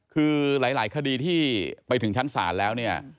คือหลายคดีที่ไปถึงชั้นสารแล้ว